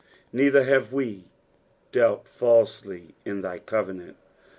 "Neither haw we dealt falteCy in thy eofienant."